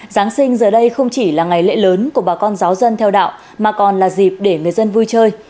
giáng sinh giờ đây không chỉ là ngày lễ lớn của bà con giáo dân theo đạo mà còn là dịp để người dân vui chơi